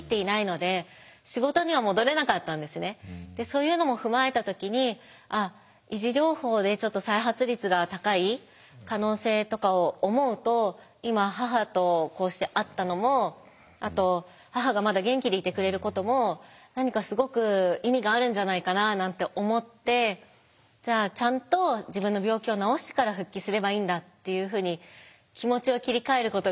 でそういうのも踏まえた時に維持療法でちょっと再発率が高い可能性とかを思うと今母とこうして合ったのもあと母がまだ元気でいてくれることも何かすごく意味があるんじゃないかななんて思ってじゃあっていうふうに気持ちを切り替えることができて。